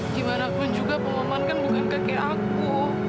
gimanapun juga pengumuman kan bukan kakek aku